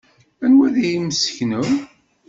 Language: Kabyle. Anwa ay d imseknew?